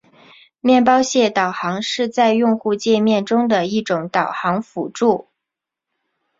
面包屑导航是在用户界面中的一种导航辅助。